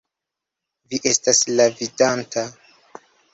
Vi estas la Vidanta!